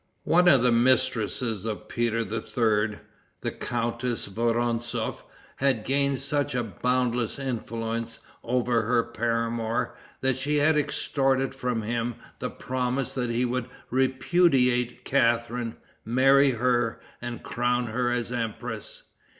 One of the mistresses of Peter III., the Countess Vorontzof, had gained such a boundless influence over her paramour, that she had extorted from him the promise that he would repudiate Catharine, marry her, and crown her as empress.